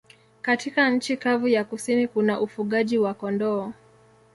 Katika nchi kavu ya kusini kuna ufugaji wa kondoo.